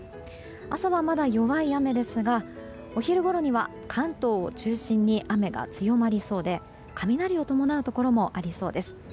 朝はまだ弱い雨ですがお昼ごろには関東を中心に雨が強まりそうで雷を伴うところもありそうです。